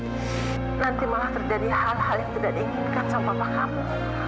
nanti malah terjadi hal hal yang tidak diinginkan sama pahammu